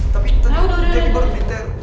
tapi tadi nenek baru beritir